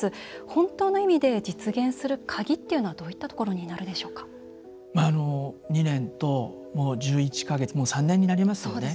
本当の意味で実現する鍵ってどういったところに２年と１１か月もう３年になりますよね。